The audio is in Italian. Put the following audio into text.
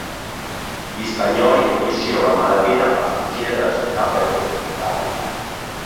Gli spagnoli riuscirono a malapena a fuggire dalla città ben fortificata.